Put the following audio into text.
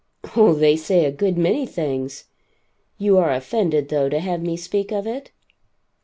"Oh, they say a good many things. You are offended, though, to have me speak of it?"